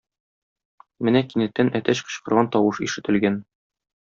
Менә кинәттән әтәч кычкырган тавыш ишетелгән.